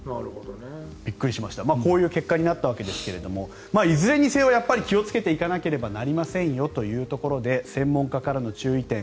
こういう結果になったわけですがいずれにせよ気をつけていかなければなりませんよというところで専門家からの注意点